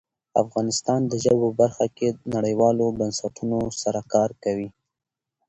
افغانستان د ژبو په برخه کې نړیوالو بنسټونو سره کار کوي.